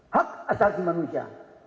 hak asasi manusia